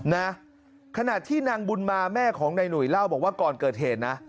นะขณะที่นางบุญมาแม่ของนายหนุ่ยเล่าบอกว่าก่อนเกิดเหตุนะ